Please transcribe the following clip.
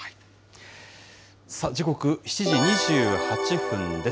時刻７時２８分です。